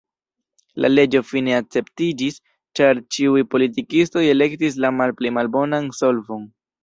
La leĝo fine akceptiĝis, ĉar ĉiuj politikistoj elektis la malpli malbonan solvon.